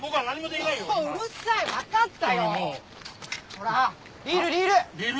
ほらリールリール！